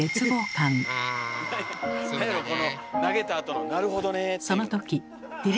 なんやろこの投げたあとの「なるほどね」って言うの。